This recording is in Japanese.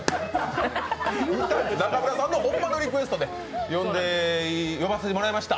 中村さんの本物のリクエストで呼ばせていただきました。